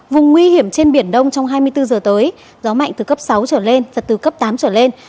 vùng nguy hiểm trên biển đông trong hai mươi bốn giờ tới gió mạnh từ cấp sáu trở lên giật từ cấp tám trở lên